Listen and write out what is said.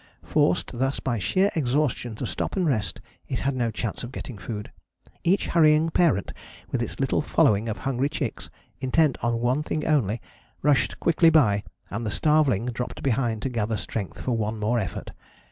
Forced thus by sheer exhaustion to stop and rest, it had no chance of getting food. Each hurrying parent with its little following of hungry chicks, intent on one thing only, rushed quickly by, and the starveling dropped behind to gather strength for one more effort.